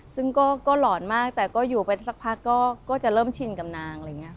ซึ่งก็หล่อนมากแต่ก็อยู่ไปสักพักก็จะเรอมชินกับนาง